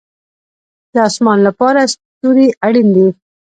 د اسمان لپاره ستوري اړین دي